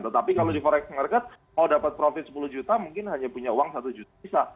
tetapi kalau di koreksi market mau dapat profit sepuluh juta mungkin hanya punya uang satu juta bisa